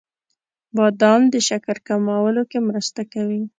• بادام د شکر کمولو کې مرسته کوي.